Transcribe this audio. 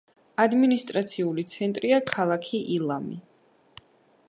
ადმინისტრაციული ცენტრია ქალაქი ილამი.